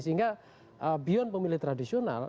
sehingga beyond pemilih tradisional